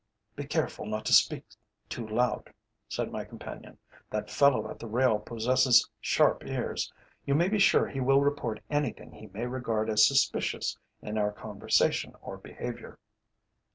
"Be careful not to speak too loud," said my companion. "That fellow at the rail possesses sharp ears. You may be sure he will report anything he may regard as suspicious in our conversation or behaviour."